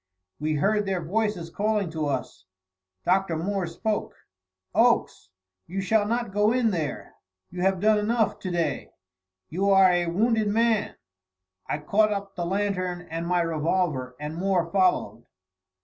We heard their voices calling to us. Dr. Moore spoke. "Oakes, you shall not go in there; you have done enough to day; you are a wounded man." I caught up the lantern and my revolver, and Moore followed.